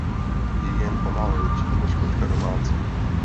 Je jen o málo větší než kočka domácí.